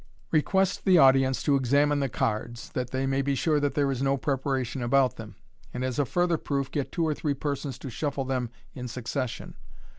Request the audience to examine the cards, that they may be sure that there is no preparation about them, and as a further proof get two or three persons to shuffle them in succession.